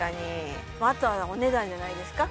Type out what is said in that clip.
あとはお値段じゃないですか？